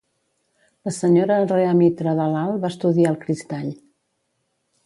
La Sra. Rhea Mitra-Dalal va estudiar el cristall.